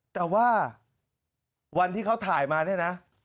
แต่ว่าวันที่เขาถ่ายมาเนี่ยนะ